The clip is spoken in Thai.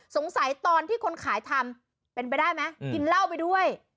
ตอนที่คนขายทำเป็นไปได้ไหมกินเหล้าไปด้วย